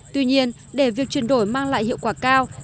tuy nhiên để việc chuyển đổi mang lại hiệu quả cao